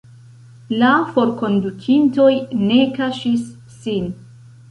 La forkondukintoj ne kaŝis sin.